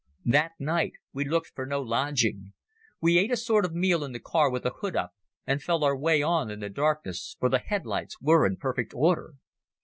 That night we looked for no lodging. We ate a sort of meal in the car with the hood up, and felt our way on in the darkness, for the headlights were in perfect order.